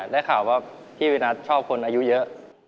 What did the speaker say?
ได้ข่าวว่าพี่วินัทชอบคนอายุเยอะ